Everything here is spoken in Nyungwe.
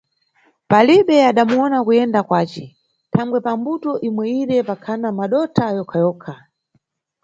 Palibe adamuyona kuyenda kwace, thangwe pambuto imweyire pakhana madotha yokha-yokha.